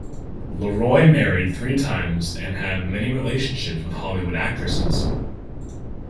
LeRoy married three times and had many relationships with Hollywood actresses.